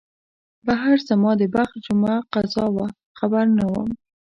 بهر زما د بخت جمعه قضا وه خبر نه وم